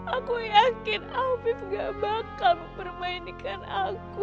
aku yakin alfif gak bakal mempermainkan aku